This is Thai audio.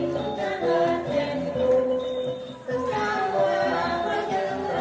การทีลงเพลงสะดวกเพื่อความชุมภูมิของชาวไทย